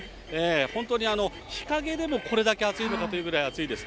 本当に日陰でもこれだけ暑いのかというぐらい暑いです。